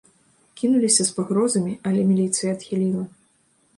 Кінуліся з пагрозамі, але міліцыя адхіліла.